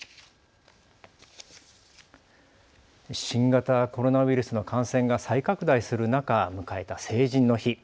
新型コロナウイルスの感染が再拡大する中、迎えた成人の日。